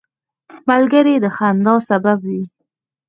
ملګری د خندا سبب وي